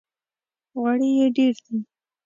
غوړي یې ډېر دي!